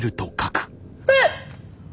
えっ！